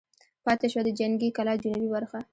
پاتې شوه د جنګي کلا جنوبي برخه.